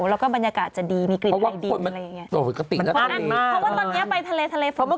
แล้วก็บรรยากาศจะดีมีกลิ่นดีอะไรแบบนี้